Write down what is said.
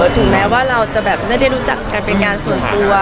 ถึงแม้ว่าเราจะแบบไม่ได้รู้จักกันเป็นงานส่วนตัว